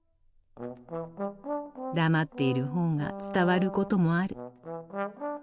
黙っている方が伝わることもある。